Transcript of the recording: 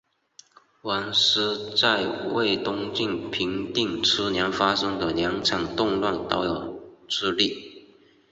王舒在为东晋平定初年发生的两场动乱都有助力。